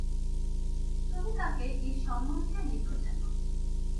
তুমি তাঁকে ঐ সম্বন্ধে লিখো যেন।